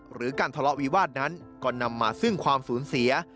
หรือการทะเลาะวิวาสนั้นก็นำมาซึ่งความสูญเสีย